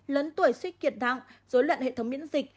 lớn tuổi suy kiệt đặng dối luận hệ thống miễn dịch